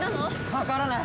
わからない！